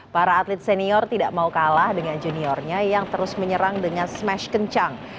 para atlet senior tidak mau kalah dengan juniornya yang terus menyerang dengan smash kencang